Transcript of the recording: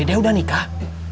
bede udah nikah